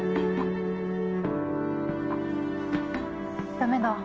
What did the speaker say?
駄目だ。